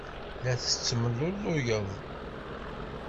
La tettemlelluyed.